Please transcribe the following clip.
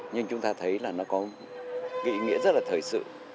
nhưng chúng ta thấy là nó có ý nghĩa rất là thời sự